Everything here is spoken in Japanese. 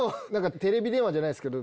テレビ電話じゃないですけど。